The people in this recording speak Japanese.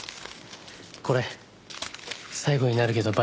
これ最後になるけどバイト代。